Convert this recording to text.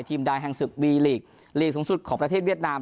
ใดแห่งศึกวีลีกลีกสูงสุดของประเทศเวียดนาม